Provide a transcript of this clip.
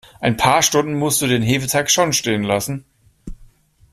Ein paar Stunden musst du den Hefeteig schon stehen lassen.